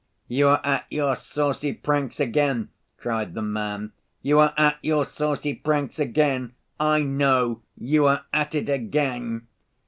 "You are at your saucy pranks again?" cried the man. "You are at your saucy pranks again? I know, you are at it again!"